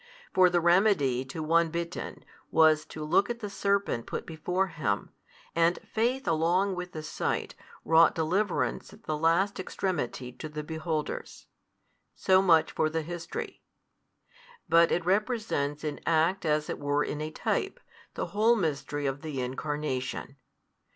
For the remedy to one bitten, was to look at the serpent put before him, and faith along with the sight wrought deliverance at the last extremity to the beholders. So much for the history. But it represents in act as it were in a type, the whole Mystery of the Incarnation.